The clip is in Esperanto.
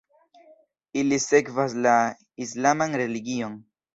Ili sekvas la islaman religion.